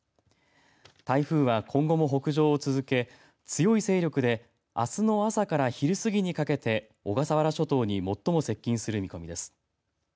台風は今後も北上を続け強い勢力であすの朝から昼過ぎにかけて小笠原諸島に最も接近する見込みです。